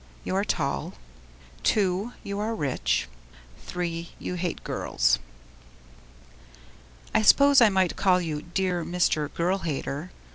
You are tall. II. You are rich. III. You hate girls. I suppose I might call you Dear Mr. Girl Hater.